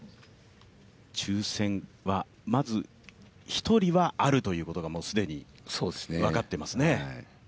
抽選はまず１人はあるということはもう既に分かっていますね。